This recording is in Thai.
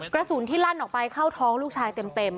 กระสุนที่ลั่นออกไปเข้าท้องลูกชายเต็ม